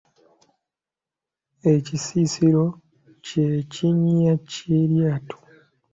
Ekisisiro ky'ekinnya ky’eryato.